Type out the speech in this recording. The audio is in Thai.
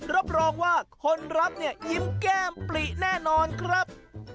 รับรองว่าคนรับเนี่ยยิ้มแก้มปลิแน่นอนครับ